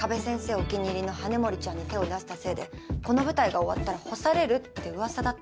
お気に入りの羽森ちゃんに手を出したせいでこの舞台が終わったら干されるって噂だったんです